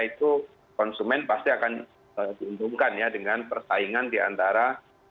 itu konsumen pasti akan diuntungkan ya dengan persaingan diantara